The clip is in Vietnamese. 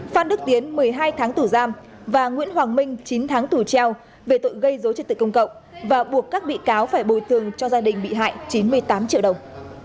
phan đức tiến một mươi hai tháng tù giam và nguyễn hoàng minh chín tháng tù treo về tội gây dối trật tự công cộng và buộc các bị cáo phải bồi tường cho gia đình bị hại chín mươi tám triệu đồng